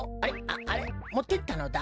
ああれ？もってったのだ？